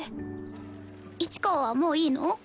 市川はもういいの？